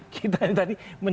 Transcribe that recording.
kita tadi menjelaskan